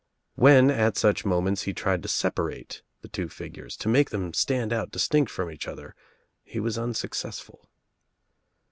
When at such moments he tried to separate the two figures, to make them stand out distinct from each other, he was un successful.